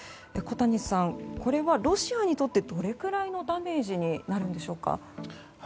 小谷さん、これはロシアにとってどれくらいのダメージになるのでしょうか。